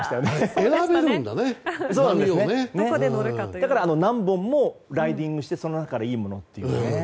だから何本もランディングしてその中からいいものをというね。